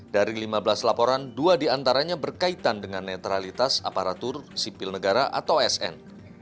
dari lima belas laporan dua diantaranya berkaitan dengan netralitas aparatur sipil negara atau sn